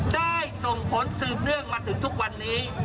ได้ส่งผลสืบเนื่องมาถึงทุกวันนี้